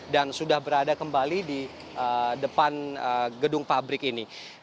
dan sudah berada kembali di depan gedung pabrik ini